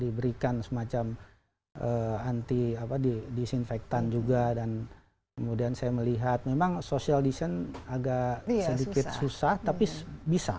diberikan semacam anti disinfektan juga dan kemudian saya melihat memang social disin agak sedikit susah tapi bisa